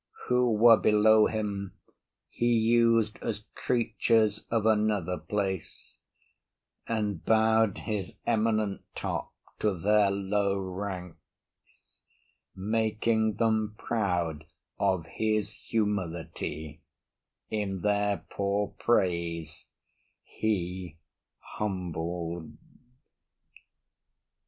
Who were below him He us'd as creatures of another place, And bow'd his eminent top to their low ranks, Making them proud of his humility, In their poor praise he humbled.